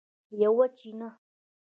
یوه چینه